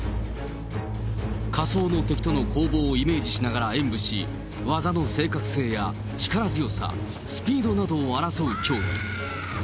仮想の敵との攻防をイメージしながら演舞し、技の正確性や力強さ、スピードなどを争う競技。